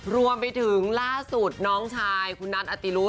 รวมไปถึงล่าสุดน้องชายคุณนัทอติรุ